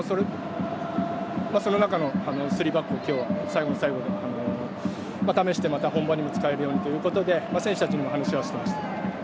その中のスリーバックを今日は最後の最後で試してまた本番にも使えるようにということで選手たちにも話はしていました。